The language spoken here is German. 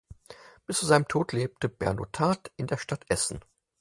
Bis zu seinem Tod lebte Bernotat in der Stadt Essen.